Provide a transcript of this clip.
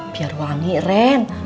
biar wangi ren